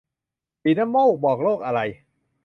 สีน้ำมูกบอกโรคอะไร